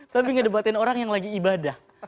tapi ngedebatin orang yang lagi ibadah